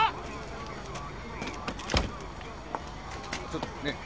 ちょっとねえ！